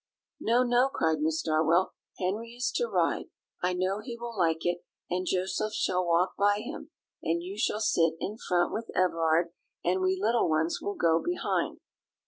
"No, no!" cried Miss Darwell; "Henry is to ride; I know he will like it, and Joseph shall walk by him, and you shall sit in front with Everard, and we little ones will go behind.